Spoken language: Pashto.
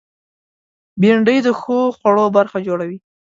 بېنډۍ د ښو خوړو برخه جوړوي